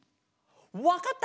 わかった！